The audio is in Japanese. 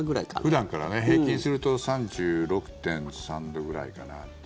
普段から平均すると３６．３度ぐらいかなっていう。